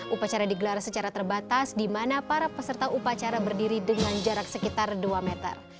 upacara digelar secara terbatas di mana para peserta upacara berdiri dengan jarak sekitar dua meter